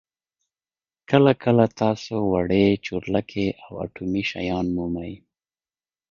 کله کله تاسو وړې چورلکې او اټومي شیان مومئ